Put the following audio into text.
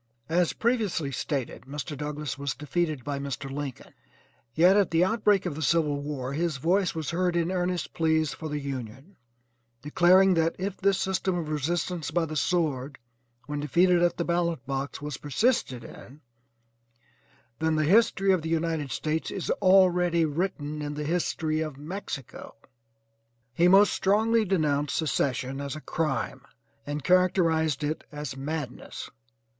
As previously stated, Mr. Douglass was defeated by Mr. Lincoln, yet at the outbreak of the civil war his voice was heard in earnest pleas for the Union, declaring that if this system of resistance by the sword, when defeated at the ballot box was persisted in, then "The history of the United States is already written in the history of Mexico." He most strongly denounced secession as a crime and characterized it as madness.